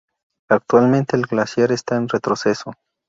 Actualmente el glaciar está en retroceso.